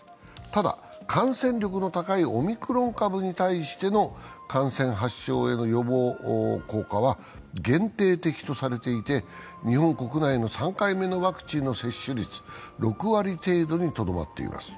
ただ、感染力の高いオミクロン株に対しての感染・発症への予防効果は限定的とされていて日本国内の３回目のワクチンの接種率は６割程度にとどまっています。